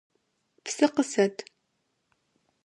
Псы къысэт!